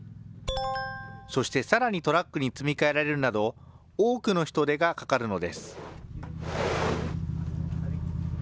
そして、さらにトラックに積み替えられるなど、多くの人手がかかるのです。